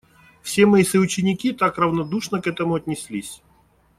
Все мои соученики так равнодушно к этому отнеслись.